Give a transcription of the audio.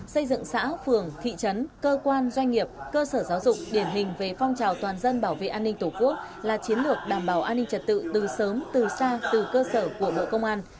xây dựng xã phường thị trấn cơ quan doanh nghiệp cơ sở giáo dục điển hình về phong trào toàn dân bảo vệ an ninh tổ quốc là chiến lược đảm bảo an ninh trật tự từ sớm từ xa từ cơ sở của bộ công an